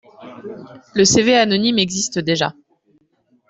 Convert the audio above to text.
Le CV anonyme existe déjà.